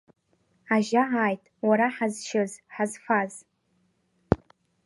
Ажьа ааит, уара ҳазшьыз, ҳазфаз…